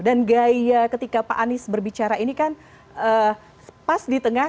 dan gaya ketika pak anies berbicara ini kan pas di tengah